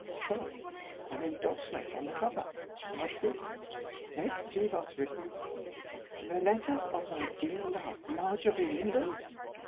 So! An endorsement on the cover! What's this? let's see what's written! "The letters of my dear love, Marjorie Lindon."